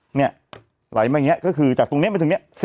หลายมาอย่างนี้ก็คือจากตรงนี้ไปตรงนี้